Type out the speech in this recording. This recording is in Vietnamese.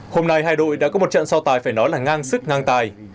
hôm nay hai đội đã có một trận so tài phải nói là ngang sức ngang tài